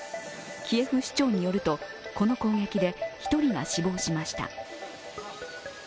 キエフ市長によると、この攻撃で１人が死亡しました。